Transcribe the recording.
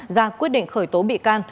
ra quyết định khởi tố bị can